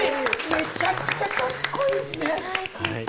めちゃくちゃカッコいいっすね！